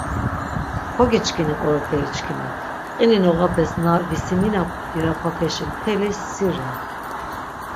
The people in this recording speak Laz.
Kogiçkini qoroperi çkimi, qini noğapes na visiminap birapapeşi mtelis si re.